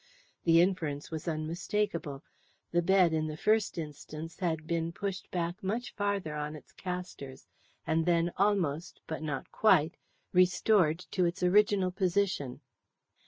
The inference was unmistakable: the bed, in the first instance, had been pushed much farther back on its castors, and then almost, but not quite, restored to its original position.